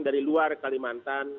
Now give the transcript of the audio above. dari luar kalimantan